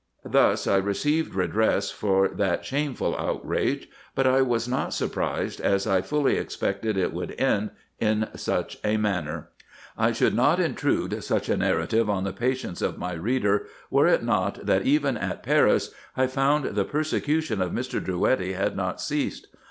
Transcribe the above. Thus I received redress for that shameful outrage ; but I was not surprised, as I fully expected it would end in such a manner. IN EGYPT, NUBIA, Sic. 437 J should not intrude such a narrative on the patience of my reader were it not that, even at Paris, 1 found the persecution of Mr. Drouetti had not ceased.